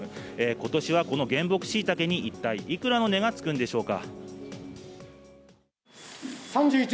ことしはこの原木しいたけに一体いくらの値がつくんでしょうか。